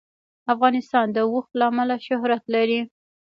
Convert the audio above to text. افغانستان د اوښ له امله شهرت لري.